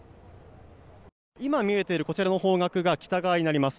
今見えているこちらの方角が北側になります。